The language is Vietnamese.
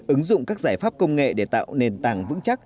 ứng dụng các giải pháp công nghệ để tạo nền tảng vững chắc